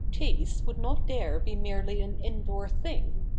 Taste would not there be merely an indoor thing.